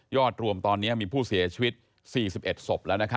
รวมตอนนี้มีผู้เสียชีวิต๔๑ศพแล้ว